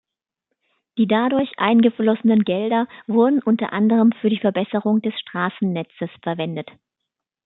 Die dadurch eingeflossenen Gelder wurden unter anderem für die Verbesserung des Straßennetzes verwendet.